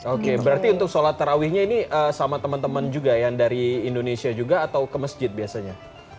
oke berarti untuk sholat terawihnya ini sama teman teman juga yang dari indonesia juga atau ke masjid biasanya